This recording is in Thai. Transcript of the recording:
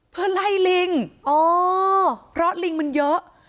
เพื่อไล่ลิงอ๋อเพราะลิงมันเยอะ